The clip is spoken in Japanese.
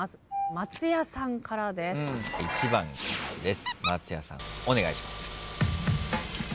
松也さんお願いします。